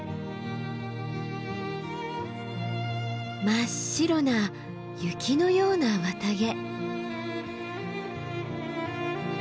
真っ白な雪のような綿毛。